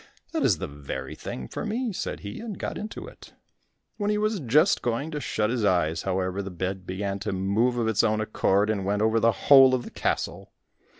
"That is the very thing for me," said he, and got into it. When he was just going to shut his eyes, however, the bed began to move of its own accord, and went over the whole of the castle.